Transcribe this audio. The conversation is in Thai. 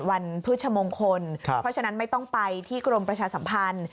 พฤชมงคลเพราะฉะนั้นไม่ต้องไปที่กรมประชาสัมพันธ์